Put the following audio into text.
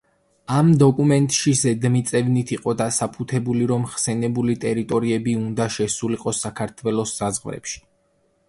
ამ დოკუმენტში ზედმიწევნით იყო დასაბუთებული, რომ ხსენებული ტერიტორიები უნდა შესულიყო საქართველოს საზღვრებში.